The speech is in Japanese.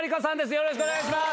よろしくお願いします！